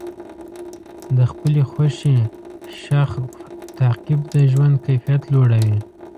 د خپلې خوښې شغف تعقیب د ژوند کیفیت لوړوي.